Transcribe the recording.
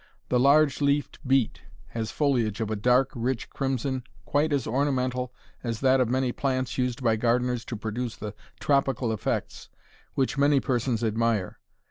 The large leaved beet has foliage of a dark, rich crimson quite as ornamental as that of many plants used by gardeners to produce the "tropical effects" which many persons admire.